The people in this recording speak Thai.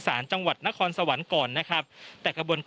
ศาลจังหวัดนครสวรรค์ก่อนนะครับ